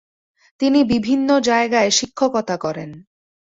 তিনি বিভিন্ন জায়গায় শিক্ষকতা করেন ।